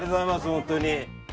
本当に。